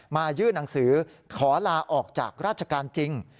ยื่นหนังสือขอลาออกจากราชการจริง